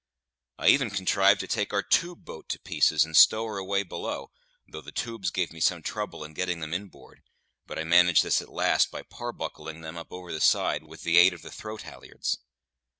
I even contrived to take our tube boat to pieces and stow her away below, though the tubes gave me some trouble in getting them inboard; but I managed this at last by parbuckling them up over the side with the aid of the throat halliards.